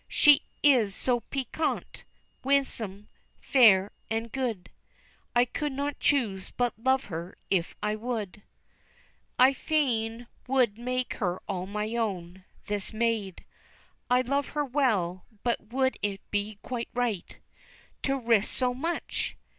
She is so piquant, winsome, fair, and good, I could not choose but love her if I would. "I fain would make her all my own, this maid, I love her well, but would it be quite right To risk so much?